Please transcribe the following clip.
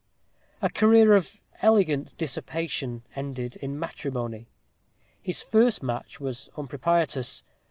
A career of elegant dissipation ended in matrimony. His first match was unpropitious.